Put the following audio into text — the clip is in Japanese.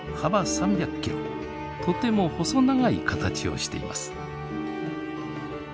とても細長い形をしています。